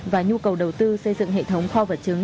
và nhu cầu đầu tư xây dựng hệ thống kho vật chứng